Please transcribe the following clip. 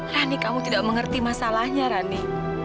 rani kamu tidak mengerti masalahnya rani